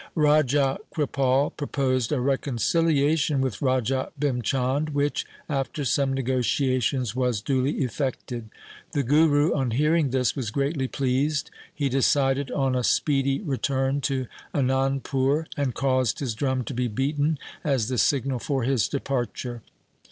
Raja Kripal proposed a reconciliation with Raja Bhim Chand, which, after some negotiations, was duly effected. The Guru on hearing this was greatly pleased. He decided on a speedy return to Anand pur, and caused his drum to be beaten as the signal for his departure.